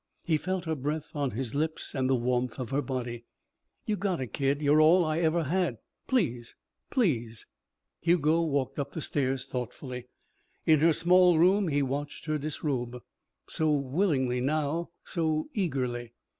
He felt her breath on his lips and the warmth of her body. "You gotta, kid. You're all I ever had. Please, please." Hugo walked up the stairs thoughtfully. In her small room he watched her disrobe. So willingly now so eagerly.